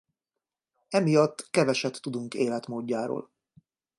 Emiatt keveset tudunk életmódjáról.